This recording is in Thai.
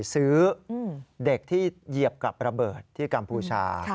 ซื้อเด็กที่เหยียบกับระเบิดที่กัมพูชา